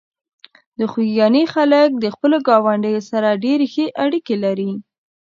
د خوږیاڼي خلک د خپلو ګاونډیو سره ډېرې ښې اړیکې لري.